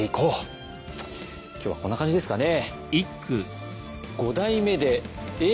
今日はこんな感じですかね。